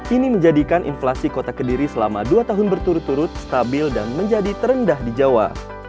ini menjadikan inflasi kota kediri selama dua tahun berturut turut stabil dan menjadi terendah di jawa